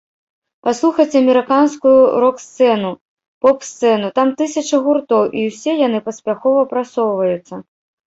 Паслухайце амерыканскую рок-сцэну, поп-сцэну, там тысячы гуртоў, і ўсе яны паспяхова прасоўваюцца.